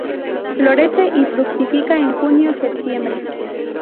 Florece y fructifica en junio-septiembre.